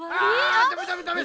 あダメダメダメ